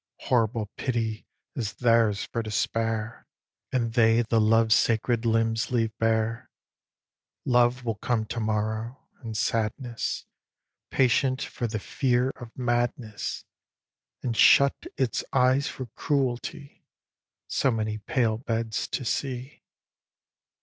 Horrible pity is theirs for despair, And they the love sacred limbs leave bare. Love will come to morrow, and sadness, Patient for the fear of madness, And shut its eyes for cruelty, So many pale beds to see.